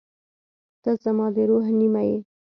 • ته زما د روح نیمه یې.